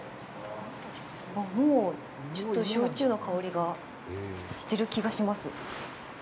もうちょっと焼酎の香りがしてる気がします。